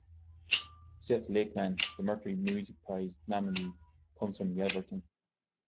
Seth Lakeman, the Mercury Music Prize nominee, comes from Yelverton.